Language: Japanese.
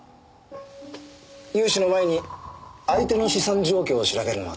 融資の前に相手の資産状況を調べるのは当然でしょう。